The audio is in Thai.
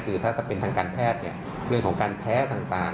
คือถ้าเป็นทางการแพทย์เรื่องของการแพ้ต่าง